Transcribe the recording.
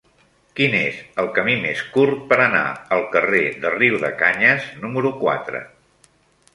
Quin és el camí més curt per anar al carrer de Riudecanyes número quatre?